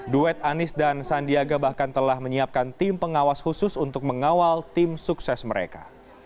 duet anies dan sandiaga bahkan telah menyiapkan tim pengawas khusus untuk mengawal tim sukses mereka